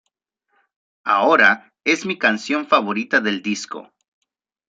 Ahora es mi canción favorita del disco.